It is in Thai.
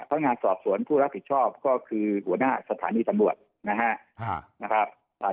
และมีคุณผู้รับผิดชอบก็คือหัวหน้าสถานีตำรวจนะครับ